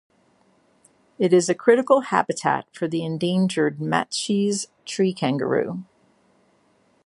It is a critical habitat for the endangered matschie's tree-kangaroo.